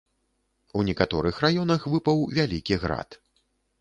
У некаторых раёнах выпаў вялікі град.